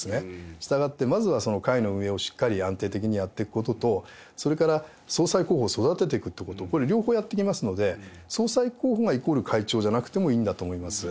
従って、まずはその会の運営をしっかり安定的にやってくことと、それから総裁候補を育てていくっていうこと、これ、両方やっていきますので、総裁候補がイコール会長じゃなくてもいいんだと思い